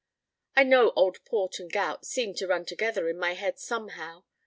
I know old port and gout seem to run together in my head somehow.